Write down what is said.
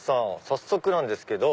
早速なんですけど。